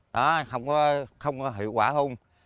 đó không có hiệu quả không